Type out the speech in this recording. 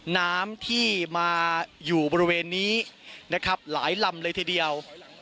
น้ำที่มาอยู่บริเวณนี้นะครับหลายลำเลยทีเดียว